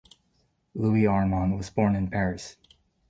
Louis Armand was born in Paris.